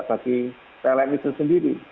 bagi pln itu sendiri